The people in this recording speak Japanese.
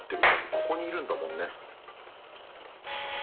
ここにいるんだもんね。